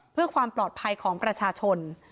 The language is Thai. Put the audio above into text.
เพื่อความปลอดภัยของประชาชน